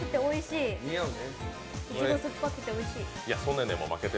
いちご、酸っぱくておいしい。